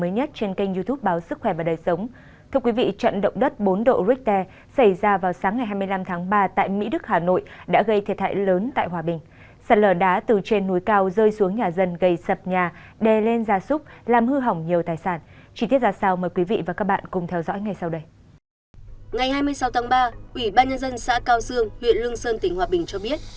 ngày hai mươi sáu tháng ba ủy ban nhân dân xã cao dương huyện lương sơn tỉnh hòa bình cho biết